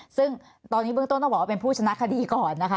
ซึ่งตอนนี้เบื้องต้นต้องบอกว่าเป็นผู้ชนะคดีก่อนนะคะ